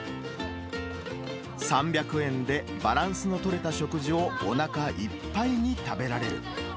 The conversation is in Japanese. ３００円でバランスの取れた食事をおなかいっぱいに食べられる。